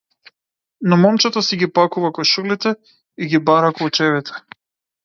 Но момчето си ги пакува кошулите и ги бара клучевите.